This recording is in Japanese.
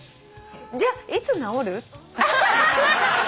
じゃあいつ治る？